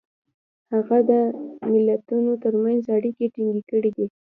هغه د ملتونو ترمنځ اړیکې ټینګ کړي دي.